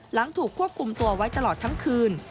หลังถูกควบคุมตัวไว้ตลอดทั้งคืน